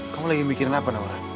kamu lagi mikirin apa namanya